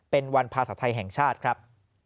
เป็นวันภาษาไทยแห่งชาติครับ